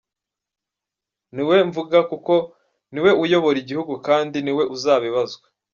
Ni we mvuga kuko ni we uyobora igihugu kandi ni we uzabibazwa.